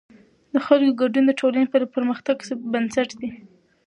د خلکو ګډون د ټولنې د پرمختګ بنسټ دی